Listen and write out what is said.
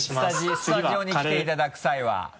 スタジオに来ていただく際は。